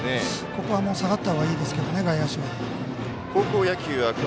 ここは下がったほうがいいですけどね、外野手は。